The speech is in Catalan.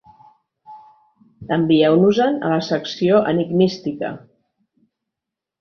Envieu-nos-en a la Secció Enigmística.